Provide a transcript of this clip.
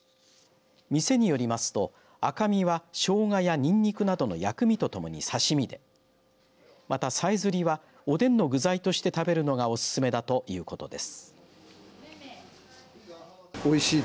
店によりますと赤身はショウガやニンニクなどの薬味とともに刺し身でまた、さえずりはおでんの具材として食べるのがおすすめだということです。